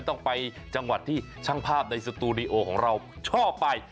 ต้องไปจังหวัดที่ช่างภาพในสตูดิโอของเราชอบไป